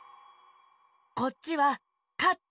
こっちは「かって」